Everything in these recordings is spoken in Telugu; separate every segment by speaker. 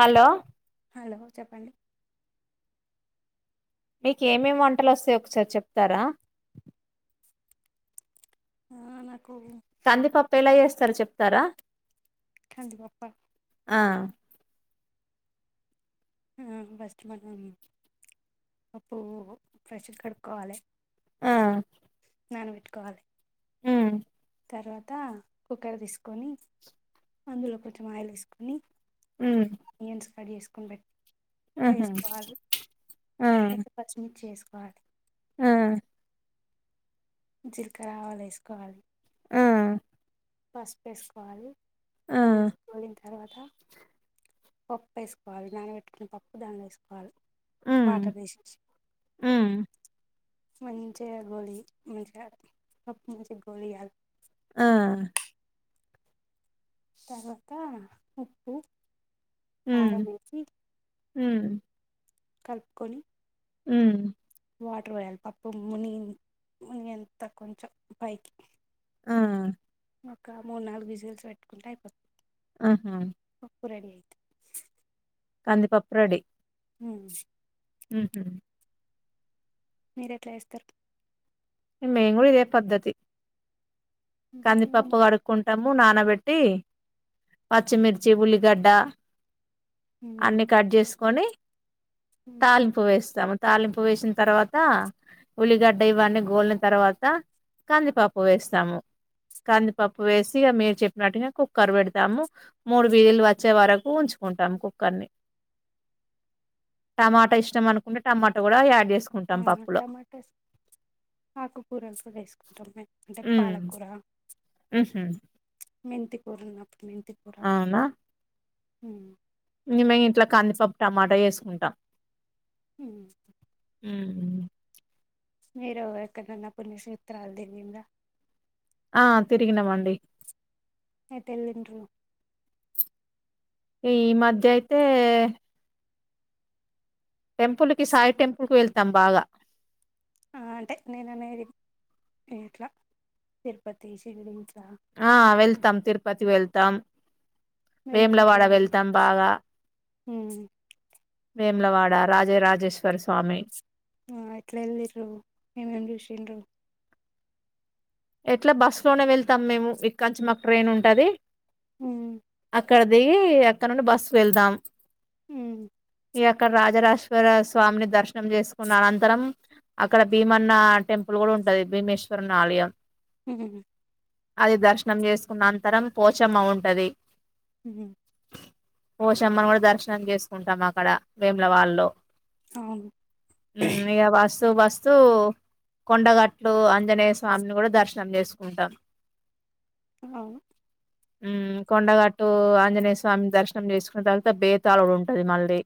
Speaker 1: హలో
Speaker 2: హలో చెప్పండి
Speaker 1: మీక ఏమేమి వంటలు వస్తాయ్ ఒకసారి చెప్తారా
Speaker 2: ఆ న
Speaker 1: కందిపప్పు ఎలా చేస్తారు చెప్తారా
Speaker 2: కందిపప్ప
Speaker 1: ఆ
Speaker 2: ఫస్ట్ మనం [unintelligible] కడుక్కోవాలి
Speaker 1: ఆ
Speaker 2: నానబెట్టుకోవాలి
Speaker 1: హు
Speaker 2: తర్వాత కుక్కర్ తీసుకొని అందులో కొంచెం ఆయిల్ వేసుకొని ఆనియన్స్ కట్ చేసుకొని పెట్
Speaker 1: ఆహా
Speaker 2: [unintelligible] కోవాలి
Speaker 1: ఆ
Speaker 2: జీలకర ఆవాలు వేసుకోవాలి
Speaker 1: ఆ
Speaker 2: పస్ట్ వేసుకోవాలి
Speaker 1: ఆ
Speaker 2: ఆర్మించుపోయిన తర్వాత పప్పు వేసుకోవి నానబట్టుకున పప్పు దాంలో వేసుకోవాలి
Speaker 1: ఉమ్
Speaker 2: వాటర్ వేసేసి
Speaker 1: ఉమ్
Speaker 2: మంచిగ [unintelligible]
Speaker 1: ఆ
Speaker 2: తర్వాత ఉప్పు కారం వేసి
Speaker 1: హు
Speaker 2: కలుపుకొని
Speaker 1: ఉ
Speaker 2: వాటర్ వేయాలి పప్పు ముని ముని ఎంత కొంచెం పైకి
Speaker 1: ఆ
Speaker 2: ఒక మూడు నాలుగు విజిల్స్ పెట్టుకుంటే అయిపోతు
Speaker 1: ఆహా
Speaker 2: రెడి అయితే
Speaker 1: కందిపప్పు రడి
Speaker 2: హు
Speaker 1: హుహు
Speaker 2: మీరు ఎట్లా చేస్తరు
Speaker 1: మే కూడా ఇదే పద్ధతి కంది పప్పు కడుక్కుంటాము నానబెట్టి పచ్చిమిర్చి ఉల్లిగడ్డ అన్ని కట్ చేసుకొని తాలింపు వేస్తాము తాలింపు వేసిన తర్వాత ఉల్లిగడ్డ ఇవన్నీ గోలిన తర్వాత కంది పప్పు వేస్తాము కందిపప్పు వేసి మీరు చెప్పినట్టుగా కుక్కర్ పెడతాము మూడు విజిల్లు వచ్చే వరకు ఉంచుకుంటాం కుక్కర్ని టమాటో ఇష్టం అనుకుంటే టమాటో కూడ యాడ్ చేస్
Speaker 2: ఆ టమాట ఆకుకూరలు కూడ వేసుకుంటాం మేము అంటే పాలకూర
Speaker 1: ఆహా
Speaker 2: మెంతికురన్నప్పుడు మెంతికూర
Speaker 1: మ మేము ఇంట్లా కందిపప్పు టమాటా వేసుకుంటాం
Speaker 2: హ
Speaker 1: మ్మ్
Speaker 2: సరు ఎక్క నాన్న పుణ్యక్షేత్రాలు దవి
Speaker 1: ఆ తిరిగినమండి
Speaker 2: ఏ తెల్ండు
Speaker 1: ఈ ఈ మధ్య అయితే టెంపుల్ క సాయి టెంపుల్ కు వెళ్తాం బాగా
Speaker 2: ఆ అంటే నేను అనేది ఎట్లా తిరుపతి లిట్లా
Speaker 1: ఆ వెళ్తాం తిరుపతి వెళ్తాం వేములవాడ
Speaker 2: వెలినప్పుడే
Speaker 1: వెళ్తాం బాగా మేములవాడ రాజేరాజేశ్వర స్వామి
Speaker 2: ఆ ఇట్లా వెల్దిరు ఏమేం చూషన
Speaker 1: ఎట్లా బస్సు లోనే వెళ్తాం మేము ఇ కొంచెం మాకు ట్రైన్ ఉంటది
Speaker 2: ఉమ్
Speaker 1: అక్కడ దిగి అక్కడ నుండి బస్సు వెళదాం
Speaker 2: అ
Speaker 1: ఈ అక్కడ రాజరాశ్వర స్వామిని దర్శనం చేసుకున్న అనంతరం అక్కడ భీమన్న టెంపుల్ కూడా ఉంటది భీమేశ్వర ఆలయం
Speaker 2: మ్మ్
Speaker 1: అది దర్శనం చేసుకున్న అంతరం పోచమ్మ ఉంటది
Speaker 2: హ
Speaker 1: ఓషమ్మని కూడా దర్శనం చేసుకుంటాం అక్కడ వేముల వాళ్ళు
Speaker 2: అవును
Speaker 1: అ ఏ బస్ స్తూ వస్తూ కొండగట్లు ఆంజనేయ స్వామిని కూడా దర్శ ప్రం చేసుకుంటాం
Speaker 2: అవు
Speaker 1: కొండగట్టు ఆంజనేయ స్వామి దర్శనం చేసుకున్న తర్వాత బేతాళుడు ఉంటది మళ్ళీ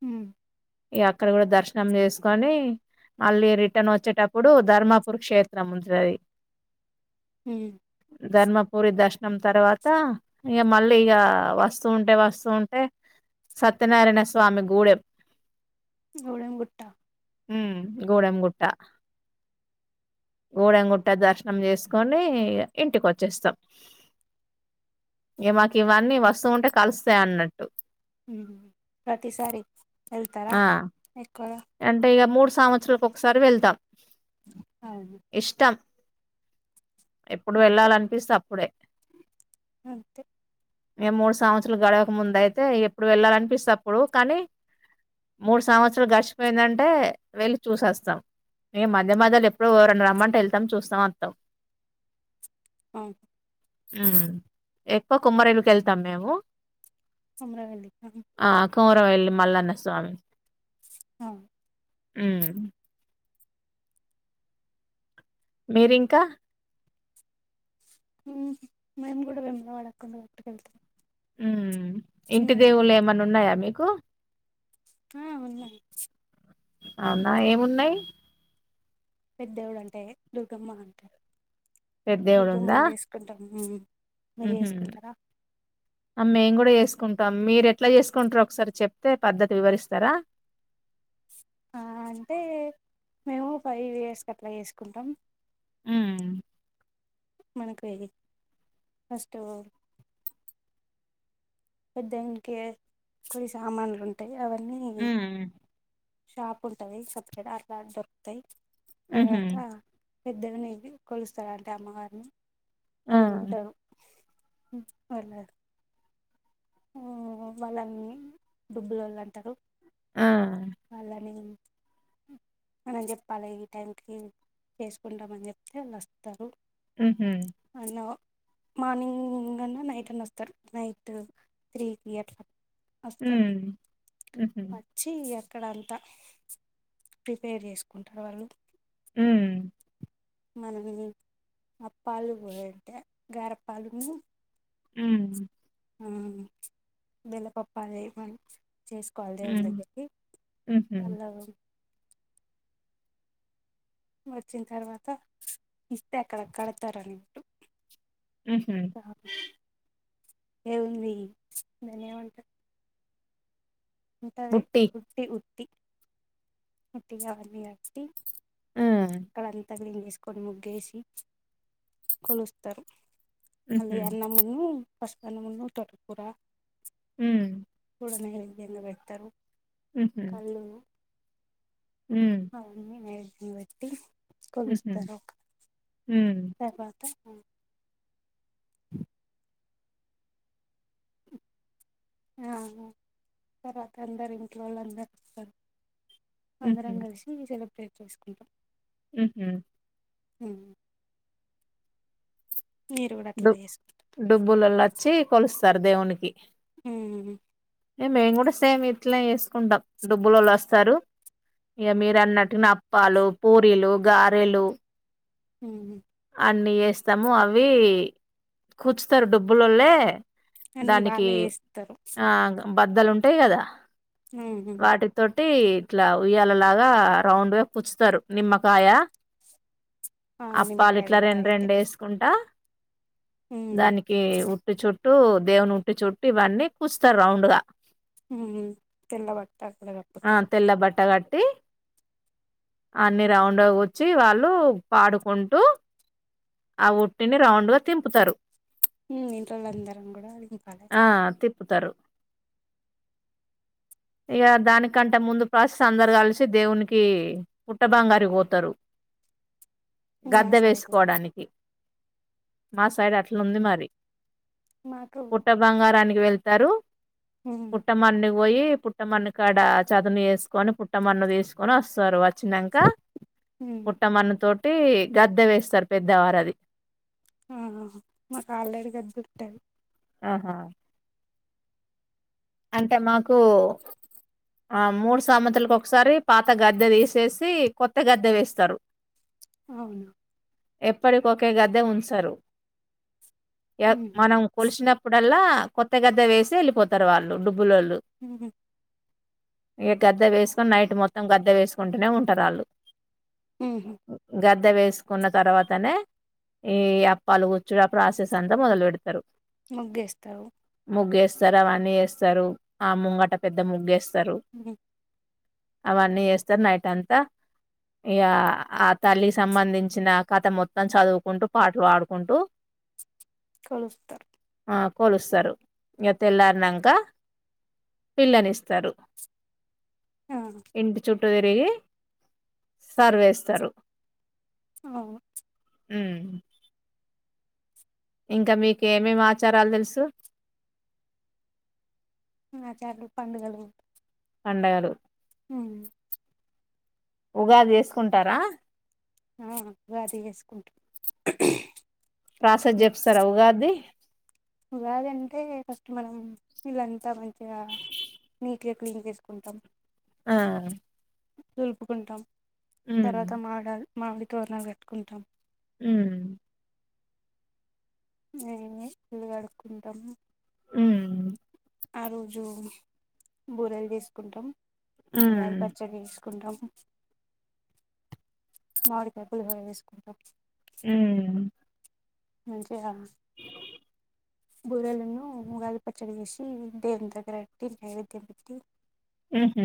Speaker 2: హ
Speaker 1: ఈ అక్కడ కూడా దర్శనం చేసుకొని మళ్ళీ రిటర్న్ వచ్చేటప్పుడు ధర్మపుర్ క్షేత్రం ఉంటుది
Speaker 2: హ
Speaker 1: ధర్మపుూరి దర్శనం తర్వాత ఇంక మళ్ళీ ఇక వస్తూ ఉంటే వస్తూ ఉంటే సత్యనారాయణ స్వామి గూడెం
Speaker 2: గూడెం గుట్ట
Speaker 1: గూడెం గుట్ట గూడె గుట్ట పంట దర్శనం చేసుకొని ఇంటికి వచ్చేస్తాం ఇ మాకు ఇవన్నీ వస్తూ ఉంటే కలుస్తా అన్నట్టు
Speaker 2: హ ప్రతిసారి వెళ్తారా
Speaker 1: ఆ!
Speaker 2: ఎక్కువగా
Speaker 1: అంటే ఇక మూడు సంవత్సరాలకు ఒకసారి వెళ్తాం
Speaker 2: అవును
Speaker 1: ఇష్టం ఎప్పుడు
Speaker 2: అంతే
Speaker 1: వెళ్ళాలనిపిస్తే అప్పుడే
Speaker 2: అంతే
Speaker 1: ఏ మూడు సంవత్సరాలు గడవక ముంద అయితే ఎప్పుడు వెళ్ళాలనిపిస్తే అప్పుడు కానీ మూడు సంవత్సరాలు గడిచిపోయిందంటే వెళ్ళి చూసేస్తాం మేము మధ్య మధ్యలో ఎప్పుడడు రెండు రమ్మంటే వెళ్తాం చూస్తాం వస్తాం
Speaker 2: అఓ
Speaker 1: ఉ ఎక్కువ కుమ్మరైలుకి వెళ్తాం మేము
Speaker 2: అమరా వెలికా
Speaker 1: కోరవల్లి మల్లన్నస్వామి
Speaker 2: అవును
Speaker 1: అ మీరింకా
Speaker 2: హ మేమ్ కూడా విమ్ల వాకం ఒట్టుకెళ్త
Speaker 1: హ్మ్ ఇంటి దేవుళ్ళ ఏమన్నా ఉన్నాయా మీకు
Speaker 2: ఆ ఉన్నాయి
Speaker 1: అవునా ఏమున్నాయి
Speaker 2: పేదోలంటే దుర్గమ్మ అంటారు దుర్గమ్మ చేసుకుంటాము
Speaker 1: ఉహ్మ్ అమె కూడా చేస్త సుకుంటాం మీరు ఎట్లా చేసుకుంటారో ఒకసారి చెప్తే పద్ధతి వివరిస్తారా
Speaker 2: అంటే మేము ఫైవ్ ఇయర్స్కి అట్లా చేేసుకుంటాం
Speaker 1: హ్మ్
Speaker 2: మనకు అది ఫస్ట్ పెద్దయినాకీకువ సామాన్లు ఉంటాయి అవన్నీ
Speaker 1: హ్మ్
Speaker 2: షాప్ ఉంటాయి సపరేట్ అట్లా దొరుకుతాయి
Speaker 1: ఉహు
Speaker 2: తర్వాత పెద్దవిని కొలుస్తారు అంటే అమ్మవరిని అది
Speaker 1: ఆ
Speaker 2: ఉంటారు హ్మ్ పర్లేదు ఆ వాళ్ళని డుబ్బుల వాళ్ళు అంటారు
Speaker 1: ఆ
Speaker 2: వాళ్ళని
Speaker 1: [unintelligible]
Speaker 2: మనం చెప్పాలి ఈ టైంకి చేసుకుంటామని చెప్తే వాళ్ళు వస్తారు
Speaker 1: ఊహ్మ్మ్
Speaker 2: అన్న మార్నింగ్ అన్నా నైట్ అన వస్తారు నైట్ త్రి కీ అట్లా వస్తారు
Speaker 1: హ్మ్. హుహు.
Speaker 2: వచ్చి ఇక్కడంత ప్రిపేర్ చేసుకుంటారు వాళ్ళు
Speaker 1: ఉమ్మ్
Speaker 2: మనం అప్పాలు పోయంటే గారప్పాలను
Speaker 1: ఉ
Speaker 2: హ బెలపప్పాలయవం చేస్కోవల్ దేవుని
Speaker 1: హ్మ్.
Speaker 2: దగ్గరకి
Speaker 1: హుహు.
Speaker 2: వాళ్లు వచ్చిన తర్వాత ఇస్తే అక్కడ కడతారుని అట్టు
Speaker 1: హుహు.
Speaker 2: ఆ ఏ ఉంది దానేవంటారు ఉంటది
Speaker 1: బుట్టి.
Speaker 2: ఉటి ఉటి ఉట్ట అర్వి అటి
Speaker 1: ఆ!
Speaker 2: అక్కడంతా క్లీన్ చేసుకొని ముగ్గేసి కొలుస్తారు
Speaker 1: హుహు.
Speaker 2: అలీ అన్నమున్న పసుపు అన్నమున్న తోటకూర
Speaker 1: మ్మ్
Speaker 2: నైవేద్యం గా పెడతారు
Speaker 1: హుహు.
Speaker 2: కళ్ళు
Speaker 1: హ్మ్.
Speaker 2: అవని నైవేద్యంగా పెట్టి
Speaker 1: హుహు.
Speaker 2: కొలుస్తారు
Speaker 1: హ్మ్.
Speaker 2: తర్వాత [unintelligible] ఆ తర్వాత అందరు ఇంట్లో వాళ్ళు అందరుూ వస్తారు
Speaker 1: హుహు.
Speaker 2: అందరం కలిసి సెలబ్రేట్ చేసుకుంటాం
Speaker 1: ఉహ్మ్మ్
Speaker 2: హ్మ్మ్ చేసుకు
Speaker 1: డుబ్బులలో వచ్చి కొలుస్తారు దేవునికి
Speaker 2: ఉ
Speaker 1: మేము కూడా సేమ్ ఇట్లా చేసుకుంటాం డబ్బులళు వస్తారు ఇక మీరు అన్నటున అప్పాలు పూరీలు గారెలు
Speaker 2: హ్మ్మ్
Speaker 1: అన్నీ చేస్తాము అవి కూచుతారు డబ్బులలే
Speaker 2: అన్నీ
Speaker 1: దానికి
Speaker 2: వాళ్ళే చేస్తారు
Speaker 1: ఆ బద్దలు ఉంటాయి కదా
Speaker 2: హ
Speaker 1: టీ ఇట్లా ఉయ్యాలలాగా రౌండ్గా కుచ్చుతారు నిమ్మకాయ
Speaker 2: ఆ
Speaker 1: అప్పాలు
Speaker 2: నిమ్మకాయ
Speaker 1: ఇట్లా
Speaker 2: కూడా
Speaker 1: రెండు
Speaker 2: రైటే
Speaker 1: రెండు యేసుకుంటా
Speaker 2: ఉమ్
Speaker 1: దానికి ఉట్టి చుట్టూ దేవుని ఉట్టి చుట్టు ఇవన్నీ కూచుత్తరు రౌండ్ గా
Speaker 2: మ్మ్ తెల్ల బట్ట అక్కడ కప్పుతరు
Speaker 1: ట్టి అన్ని రౌండ్గ కుచ్చి వాళ్ళు పాడుకుంటూ ఆ ఉట్టిని రౌండ్ గా తింపుతరు
Speaker 2: ఇంట్లో వాళ్ళు అందరం కూడా అది తిపాలే
Speaker 1: ప్పుతరు ఇగ దానికంటే ముందు ప్రాసెస్ అందరు కలిసి దేవునికి పుట్టబంగారి పోతారు [inaudible]
Speaker 2: మా
Speaker 1: గద్దె
Speaker 2: సైడ్ లేదు
Speaker 1: వేసుకోవడానికి మా సైడ్ అట్లుంది మరి
Speaker 2: మాకు
Speaker 1: పుట్ట బంగారానికి వెళ్తారు
Speaker 2: ఉమ్
Speaker 1: పుట్టమణుకు పోయి పుట్టమన్ను కాడ చదును చేసుకొని పుట్టమన్ను తీసుకొని వొస్తారు వచ్చినాంక
Speaker 2: ఉమ్
Speaker 1: పుట్టమన్ను తోటి గద్దె వేస్తారు పెద్దవారది
Speaker 2: ఆహా మాకు ఆల్రెడీ గద్ద ఉంటది
Speaker 1: ఆహా అంటే మాకు ఆ మూడు సామెతలకొక్కసారి పాత గద్దె తీసేసి కొత్త గద్దె తెస్తరు
Speaker 2: అవునా
Speaker 1: ఎప్పటికొకే గద్దె ఉంచరు
Speaker 2: ఉహు
Speaker 1: మనం కొలిసినప్పుడల్లా కొత్త గద్దె వేసి యెళ్ళిపోతరు వాళ్ళు డుబ్బులోళ్ళు
Speaker 2: మ్ హూ
Speaker 1: ఇగ గద్దె తీసుకొని నైట్ మొత్తం గద్దె వేసుకుంటూనే ఉంటారాళ్ళు
Speaker 2: మ్ హూ
Speaker 1: ద్ద వేసుకున్న తర్వాతనే ఈ అప్పాలు కూర్చుడు ఆ ప్రాసెస్ అంతా మొదలు పెడతరు
Speaker 2: ముగ్గేస్తరు
Speaker 1: ముగ్గేస్తరు అవన్నీ యేస్తరు ఆ ముంగట పెద్ద ముగ్గు యేస్తరు
Speaker 2: ఉహు
Speaker 1: అవన్నీ చేస్తరు నైట్ అంతా ఇగ ఆ తల్లికి సంబంధించిన కథ మొత్తం చదువుకుంటూ పాటలు పాడుకుంటూ [inaudible]
Speaker 2: కొలుస్తరు
Speaker 1: ఆ కొలుస్తరు ఇగ తెల్లారినాంక పిళ్ళనిస్తరు
Speaker 2: ఆ
Speaker 1: ఇంటి చుట్టూ తిరిగి సర్వేస్తరు
Speaker 2: ఆ
Speaker 1: హ్మ్ ఇంకా మీకు ఏమేమి ఆచారాలు తెలుసు
Speaker 2: ఆచారాల్ పండగలు
Speaker 1: పండగలు
Speaker 2: మ్
Speaker 1: ఉగాది చేసుకుంటారా
Speaker 2: ఆ ఉగాది చేసుకుంటం
Speaker 1: ప్రాసెస్ జెప్పిస్తారా ఉగాద్ది
Speaker 2: ఉగాదంటే ఫస్ట్ మనం ఇళ్ళంతా మంచిగా నీట్గా క్లీన్ చేసుకుంటాం
Speaker 1: ఆ
Speaker 2: దులుపుకుంటాం
Speaker 1: ఉమ్
Speaker 2: తర్వాత మామిడ మామిడి తోరణాలు కట్టుకుంటాం
Speaker 1: హ్మ్
Speaker 2: మేమే ఇళ్ళు కడుకుంటాం
Speaker 1: హ్మ్
Speaker 2: ఆ రోజు బూరెలు చేసుకుంటాం ఉగాది
Speaker 1: ఉమ్
Speaker 2: పచ్చడి చేసుకు కుంటం మామీడికాయ పులిహోర చేసుకుంటాం.
Speaker 1: హ్
Speaker 2: మంచిగా బూరేలు ఉన్ను ఉగాది పచ్చడి చేసి దేవుని దగ్గర పెట్టి నైవేద్యం పెట్టి
Speaker 1: ఉహ్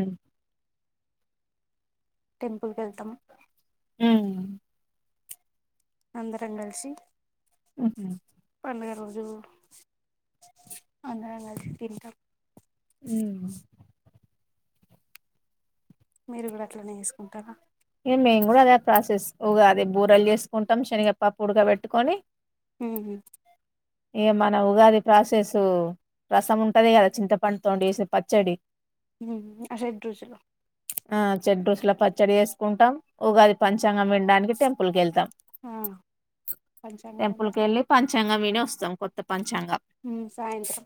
Speaker 2: టెంపుల్కి వెళ్తాం.
Speaker 1: హ్
Speaker 2: అందరం గాలిసి
Speaker 1: ఉహ్
Speaker 2: పండుగ రోజు అందరం తింటం.
Speaker 1: హ్
Speaker 2: మీరు కూడా అట్లనే చేసుకుంటారా
Speaker 1: ఇగ మేము కూడా అదే ప్రాసెస్ ఉగాది బూరేలు చేసుకుంటాం. శనగపప్ప ఉడక పెట్టుకొని
Speaker 2: హ్
Speaker 1: ఇగా మన ఉగాది ప్రాసెస్ రసం ఉంటది. గాదా చింతపండుతో చేసిన పచ్చడి
Speaker 2: హ్ ఆ షెడ్ రుచులు
Speaker 1: ఆ షేడ్ రుచుల పచ్చడి చేసుకుంటాం. ఉగాది పంచాంగం వినడానికి టెంపుల్కి వెళ్తాం.
Speaker 2: ఆ పంచాంగం కూడా
Speaker 1: చ్చంగా విని వోస్తం కొత్త పం
Speaker 2: హ్ సాయంత్రం